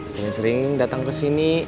sering sering datang kesini